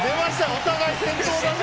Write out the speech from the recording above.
お互い先頭打者。